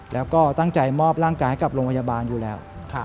แล้วก็ตั้งใจมอบร่างกายให้กับโรงพยาบาลอยู่แล้ว